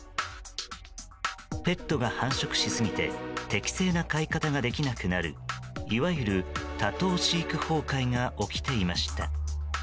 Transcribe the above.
ペットが繁殖しすぎて適正な飼い方ができなくなるいわゆる多頭飼育崩壊が起きていました。